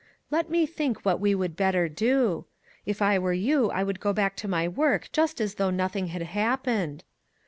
Let me think what we would better do. If I were you, I would go back to my work just as though noth ing had happened.